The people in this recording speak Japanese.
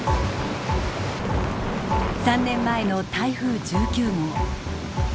３年前の台風１９号。